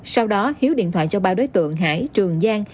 sau đó hiếu điện thoại cho ba đối tượng hải trường giang